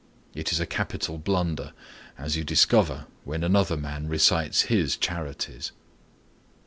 It is a capital blunder; as you discover when another man recites his charities.